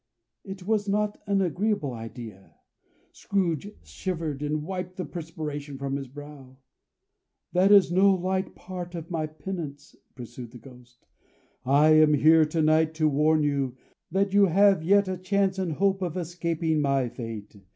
It was not an agreeable idea. Scrooge shivered, and wiped the perspiration from his brow. "That is no light part of my penance," pursued the Ghost. "I am here to night to warn you, that you have yet a chance and hope of escaping my fate.